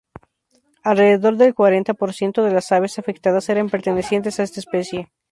Alrededor del cuarenta por ciento de las aves afectadas eran pertenecientes a esta especie.